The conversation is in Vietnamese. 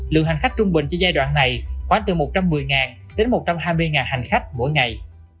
lượng hành khách trung bình trên giai đoạn này khoảng từ một trăm một mươi đến một trăm hai mươi hành khách mỗi ngày